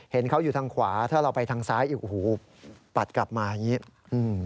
เห็นเขาอยู่ทางขวาถ้าเราไปทางซ้ายอีกโอ้โหปัดกลับมาอย่างงี้อืม